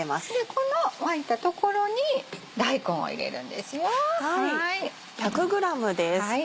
この沸いた所に大根を入れるんですよ。